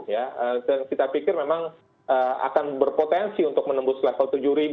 ya kita pikir memang akan berpotensi untuk menembus level tujuh